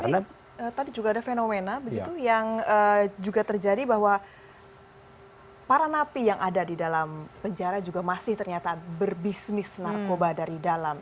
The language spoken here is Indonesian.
karena tadi juga ada fenomena begitu yang juga terjadi bahwa para napi yang ada di dalam penjara juga masih ternyata berbisnis narkoba dari dalam